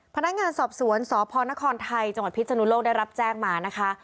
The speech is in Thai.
พนักงานสอบสวนสพนครไทยจังหวัดพิศนุโลกได้รับแจ้งมานะคะ